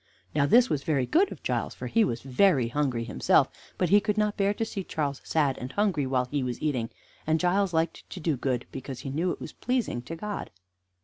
Now this was very good of Giles, for he was very hungry himself, but he could not bear to see Charles sad and hungry while he was eating, and Giles liked to do good because he knew it was pleasing to God.